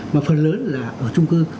mà phần lớn là ở trung cư